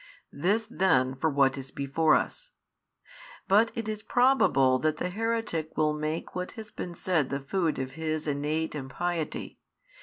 This then for what is before us. But it is probable that the heretic will make what has been said the food of his innate impiety.